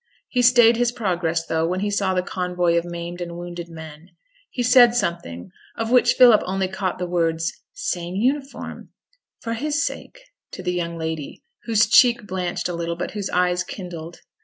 He stayed his progress though, when he saw the convoy of maimed and wounded men; he said something, of which Philip only caught the words, 'same uniform,' 'for his sake,' to the young lady, whose cheek blanched a little, but whose eyes kindled.